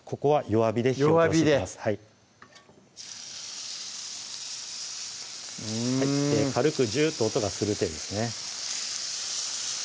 弱火で軽くジューッと音がする程度ですね